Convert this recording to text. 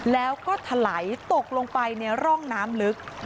แล้วก็ถลายตกลงไปในร่องน้ำลึก